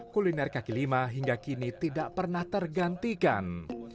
kuliner kaki lima hingga kini tidak pernah tergantikan